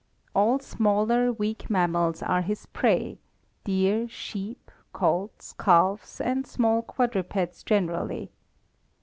All smaller, weak mammals are his prey deer, sheep, colts, calves, and small quadrupeds generally.